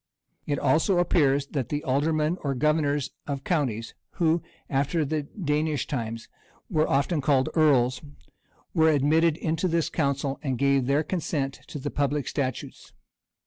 [] It also appears that the aldermen or governors of counties, who, after the Danish times, were often called earls,[] were admitted into this council, and gave their consent to the public statutes.